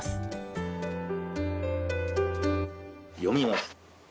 読みます。